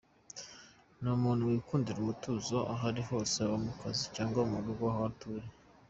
Ni umuntu wikundira umutuzo aho arihose haba mu kazi cyangwa mu rugo aho atuye.